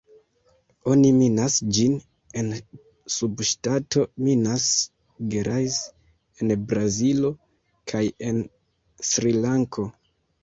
Oni minas ĝin en subŝtato Minas Gerais en Brazilo kaj en Srilanko.